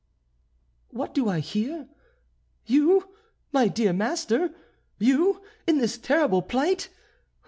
"What do I hear? You, my dear master! you in this terrible plight!